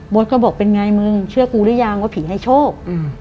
โบ๊ทก็บอกเป็นไงมึงเชื่อกูรึยังว่าผิดให้โชค